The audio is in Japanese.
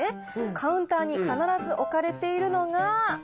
カウンターに必ず置かれているのが。